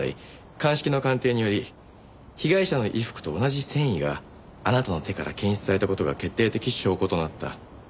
鑑識の鑑定により被害者の衣服と同じ繊維があなたの手から検出された事が決定的証拠となった。